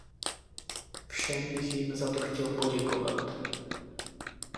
Všem bych jim za to chtěl poděkovat.